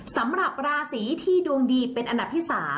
สำหรับราศีที่ดวงดีเป็นอันดับที่๓